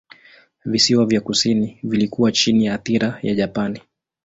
Visiwa vya kusini vilikuwa chini ya athira ya Japani.